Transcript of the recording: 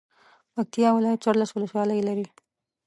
پکتیا ولایت څوارلس ولسوالۍ لري.